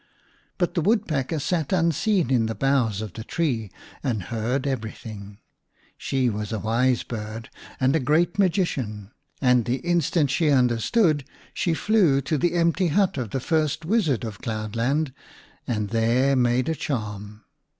But the Woodpecker sat unseen in the boughs of the tree and heard everything. She was a wise bird and a great magician, and the instant she understood she flew to the empty hut of the first wizard of cloudland and there made a charm.